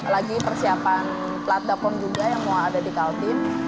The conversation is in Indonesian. lagi persiapan pelat dapur juga yang mau ada di kastil